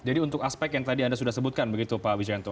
jadi untuk aspek yang tadi anda sudah sebutkan begitu pak abijanto